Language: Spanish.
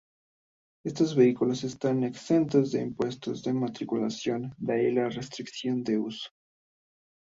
Estos vehículos están exentos del impuesto de matriculación, de ahí las restricciones de uso.